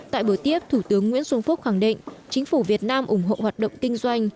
tại buổi tiếp thủ tướng nguyễn xuân phúc khẳng định chính phủ việt nam ủng hộ hoạt động kinh doanh